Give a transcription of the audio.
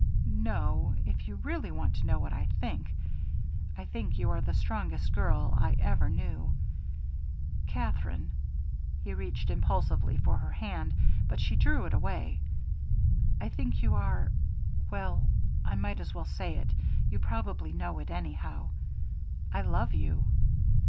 "No, if you really want to know what I think I think you are the strongest girl I ever knew. Katherine," he reached impulsively for her hand, but she drew it away, "I think you are well, I might as well say it, you probably know it anyhow. I love you.